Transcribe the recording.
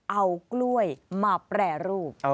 เอากล้วยมาแปรรูป